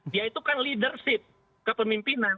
dia itu kan leadership kepemimpinan